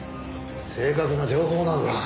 正確な情報なのか？